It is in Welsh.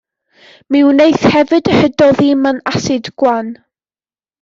Mi wneith hefyd hydoddi mewn asid gwan.